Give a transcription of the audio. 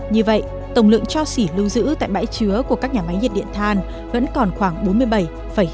như vậy tổng lượng cho xỉ lưu giữ tại bãi chứa của các nhà máy nhiệt điện than vẫn còn khoảng bốn mươi bảy sáu mươi năm triệu tấn